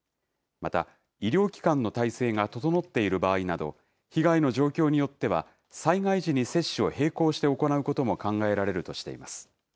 また医療機関の体制が整っている場合など、被害の状況によっては、災害時に接種を並行して行うことも考えられるとしています。